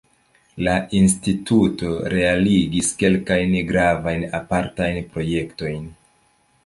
La instituto realigis kelkajn gravajn apartajn projektojn.